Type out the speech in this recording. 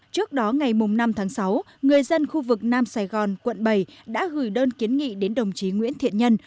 trước đó ngày năm tháng sáu người dân khu vực nam sài gòn quận bảy đã gửi đơn kiến nghị đến đồng chí nguyễn thiện nhân